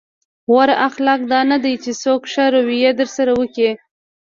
غوره اخلاق دا نه دي چې څوک ښه رويه درسره وکړي.